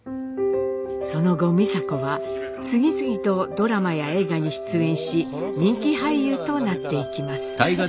その後美佐子は次々とドラマや映画に出演し人気俳優となっていきます。